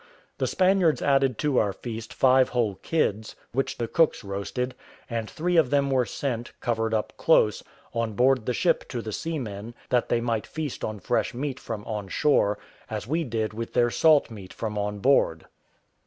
The Spaniards added to our feast five whole kids, which the cooks roasted; and three of them were sent, covered up close, on board the ship to the seamen, that they might feast on fresh meat from on shore, as we did with their salt meat from on board.